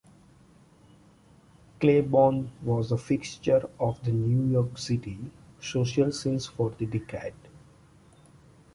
Claiborne was a fixture of the New York City social scene for decades.